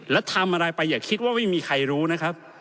แล้วทำอะไรไปอย่าคิดว่าไม่มีใครรู้นะครับ